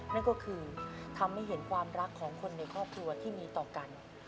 นั่นก็คือทำให้เห็นความรักของคนในครอบครัวที่มีต่อกัน